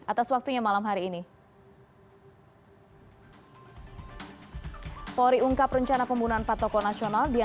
atas waktunya malam hari ini